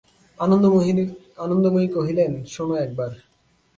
আনন্দময়ী কহিলেন, শোনো একবার!